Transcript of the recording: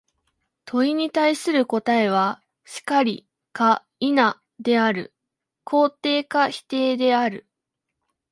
問に対する答は、「然り」か「否」である、肯定か否定である。